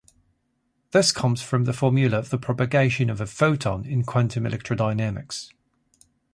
This comes from the formula for the propagation of a photon in quantum electrodynamics.